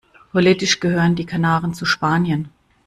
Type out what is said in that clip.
Politisch gehören die Kanaren zu Spanien.